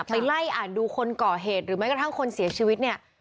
ไปไล่อ่านดูคนก่อเหตุหรือแม้กระทั่งคนเสียชีวิตเนี่ย